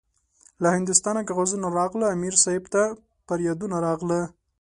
له هندوستانه کاغذونه راغله- امیر صاحب ته پریادونه راغله